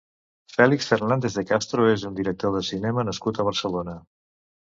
Félix Fernández de Castro és un director de cinema nascut a Barcelona.